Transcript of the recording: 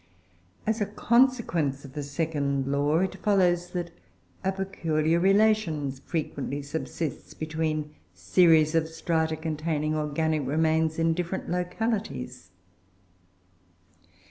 As a consequence of the second law, it follows that a peculiar relation frequently subsists between series of strata containing organic remains, in different localities.